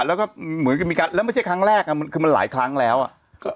แล้วก็เหมือนกับมีการแล้วไม่ใช่ครั้งแรกอ่ะมันคือมันหลายครั้งแล้วอ่ะ